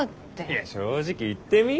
いや正直言ってみ。